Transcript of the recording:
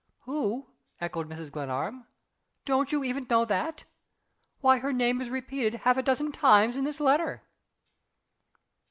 "Who?" echoed Mrs. Glenarm. "Don't you even know that? Why her name is repeated half a dozen times in this letter!"